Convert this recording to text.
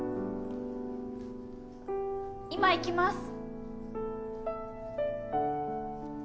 今行きます。